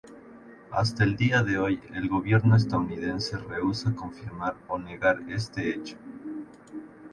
Hasta el día de hoy el gobierno estadounidense rehúsa confirmar o negar este hecho.